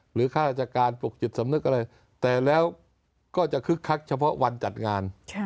ข้าราชการปลุกจิตสำนึกอะไรแต่แล้วก็จะคึกคักเฉพาะวันจัดงาน